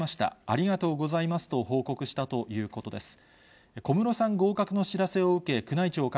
ありがとうございますと報告したということです。